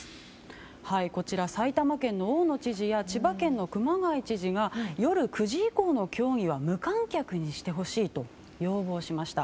埼玉県の大野知事や千葉県の熊谷知事が夜９時以降の競技は無観客にしてほしいと要望しました。